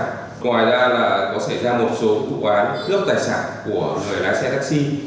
ngoài ra là có xảy ra một số vụ án cướp tài sản của người lái xe taxi